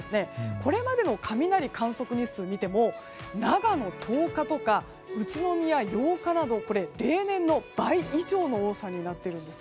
これまでの雷観測日数を見ても長野、１０日とか宇都宮、８日など例年の倍以上の多さになっているんです。